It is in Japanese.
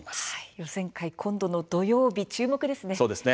予選会、今度の土曜日注目ですね。